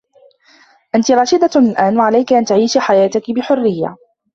أنتِ راشدة الآن و عليكِ أن تعيشي حياتكِ بحرّيّة.